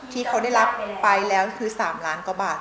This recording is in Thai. ที่เขาได้รับไปแล้วคือ๓ล้านกว่าบาท